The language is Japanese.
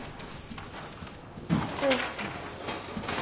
失礼します。